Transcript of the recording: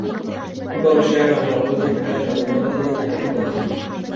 عبّر الشاعر عن رغبته الحارقة للمرأة التي أحبها.